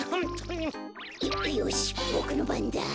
よよしボクのばんだ。